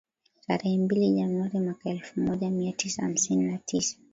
Tarehe mbili Januari mwaka elfu moja mia tisa hamsini na tisa